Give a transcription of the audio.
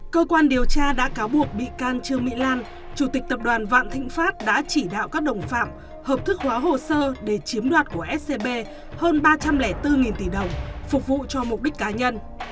cơ quan điều tra đã cáo buộc bị can trương mỹ lan chủ tịch tập đoàn vạn thịnh pháp đã chỉ đạo các đồng phạm hợp thức hóa hồ sơ để chiếm đoạt của scb hơn ba trăm linh bốn tỷ đồng phục vụ cho mục đích cá nhân